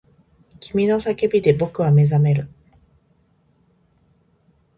君の叫びで僕は目覚める